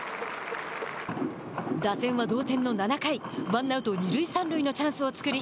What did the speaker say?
打線は同点の７回ワンアウト、二塁三塁のチャンスを作り